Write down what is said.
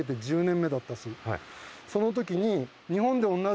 そのときに。